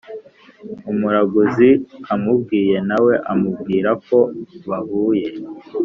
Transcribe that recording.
umuraguzi amubwiye nawe amubwira ko bahuye